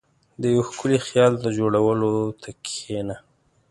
• د یو ښکلي خیال د جوړولو ته کښېنه.